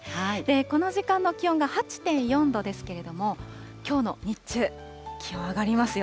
この時間の気温が８．４度ですけれども、きょうの日中、気温上がりますよ。